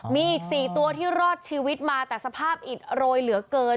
มีอีก๔ตัวที่รอดชีวิตมาแต่สภาพอิดโรยเหลือเกิน